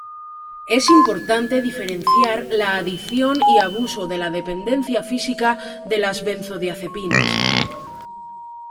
Es importante diferenciar la adicción y abuso de la dependencia física de la benzodiazepinas.